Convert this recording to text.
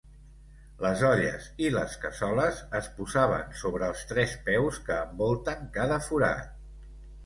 Les olles i les cassoles es posaven sobre els tres peus que envolten cada forat.